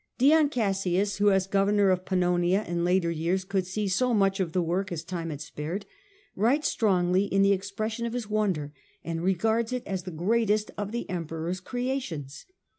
Dion Cassius, who as governor of Pannonia in later years could see so much of the work as time had spared, writes strongly in the expression of his wonder, and regards it as the greatest of the Emperor's creations.